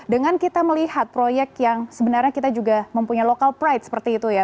dengan kita melihat proyek yang sebenarnya kita juga mempunyai local pride seperti itu ya